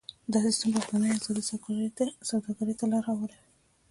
دا سیستم بهرنۍ ازادې سوداګرۍ ته لار هواروي.